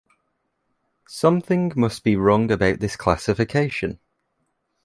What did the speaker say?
Something must be wrong about this classification.